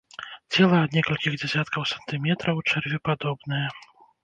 Цела ад некалькіх дзесяткаў сантыметраў, чэрвепадобнае.